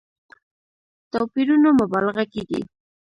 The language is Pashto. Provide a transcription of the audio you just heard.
توپيرونو مبالغه کېږي.